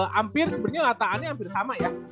hampir sebenernya rataannya hampir sama ya